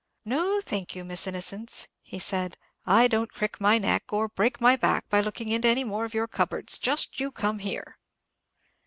"No, thank you, Miss Innocence," he said; "I don't crick my neck, or break my back, by looking into any more of your cupboards. Just you come here."